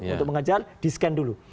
untuk mengejar di scan dulu